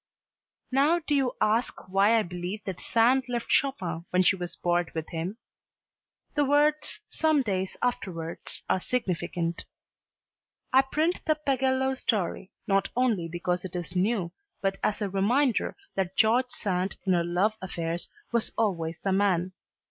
Now do you ask why I believe that Sand left Chopin when she was bored with him? The words "some days afterwards" are significant. I print the Pagello story not only because it is new, but as a reminder that George Sand in her love affairs was always the man.